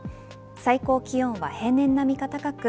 最高気温は平年並みか高く